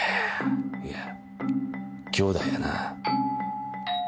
いや兄弟やな。